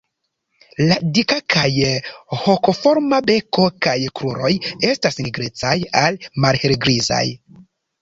La dika kaj hokoforma beko kaj kruroj estas nigrecaj al malhelgrizaj.